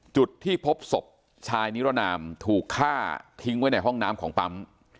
จุดที่พบศพชายนิรนามถูกฆ่าทิ้งไว้ในห้องน้ำของปั๊ม